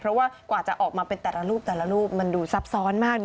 เพราะว่ากว่าจะออกมาเป็นแต่ละรูปแต่ละรูปมันดูซับซ้อนมาก